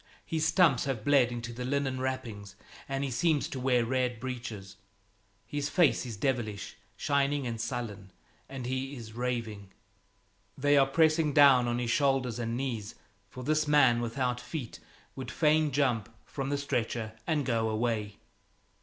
His stumps have bled into the linen wrappings, and he seems to wear red breeches. His face is devilish, shining and sullen, and he is raving. They are pressing down on his shoulders and knees, for this man without feet would fain jump from the stretcher and go away.